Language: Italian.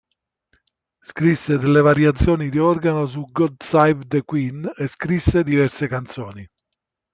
Scrisse delle variazioni di organo su "God Save the Queen" e scrisse diverse canzoni.